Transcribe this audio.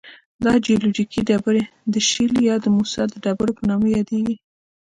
دا جیولوجیکي ډبرې د شیل یا د موسی د ډبرو په نامه یادیږي.